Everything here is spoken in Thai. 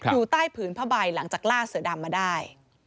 อยู่ใต้ผืนผ้าใบหลังจากล่าเสือดำมาได้